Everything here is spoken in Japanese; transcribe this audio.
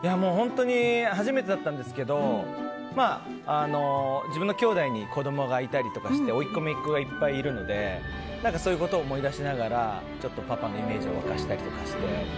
初めてだったんですけど自分のきょうだいに子供がいたりしておいっ子、めいっ子がいっぱいいるのでそういうことを思い出しながらパパのイメージを湧かせたりして。